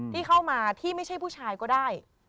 ที่เข้ามาที่ไม่ใช่ผู้ชายก็ได้